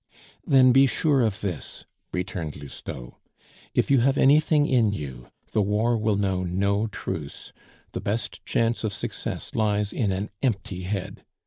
"Then, be sure of this," returned Lousteau, "if you have anything in you, the war will know no truce, the best chance of success lies in an empty head.